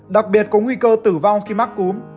đặc biệt có nguy cơ tử vong khi mắc cúm